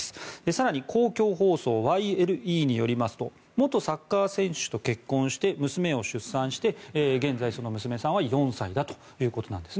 更に、公共放送ＹＬＥによりますと元サッカー選手と結婚して娘を出産して現在、その娘さんは４歳だということです。